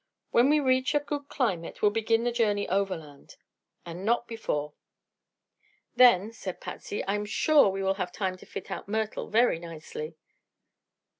When we reach a good climate we'll begin the journey overland and not before." "Then," said Patsy, "I'm sure we shall have time to fit out Myrtle very nicely." Mr.